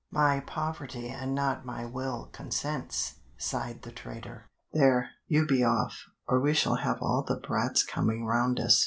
"My poverty and not my will consents," sighed the trader. "There, you be off, or we shall have all the brats coming round us."